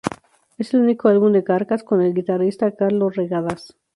Es el único álbum de Carcass con el guitarrista Carlo Regadas.